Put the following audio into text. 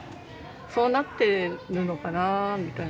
「そうなってるのかなぁ」みたいな。